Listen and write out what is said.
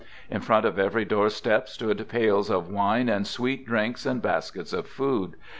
In front of every doorstep stood pails of wine and sweet drinks and baskets of food.